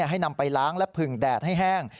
ให้นำไปล้างและผึ่งแดดให้แห้ง